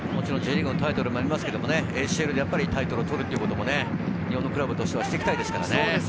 Ｊリーグのタイトルもありますけれど、ＡＣＬでタイトルを取るということも日本のクラブとしてはしていきたいですからね。